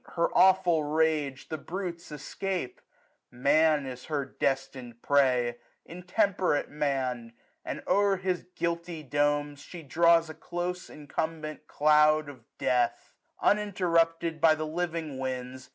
Her aweful rage The brutes escape : Man is her destin'd prey j Intemperate Man ! and, o'er his guilty domes, 1060 She draws a close incumbent cloud of death ; Uninterrupted by the living winds.